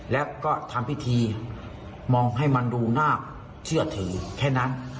และก็ทำพิธีมองให้มันดูน่าเชื่อถือแค่นั้น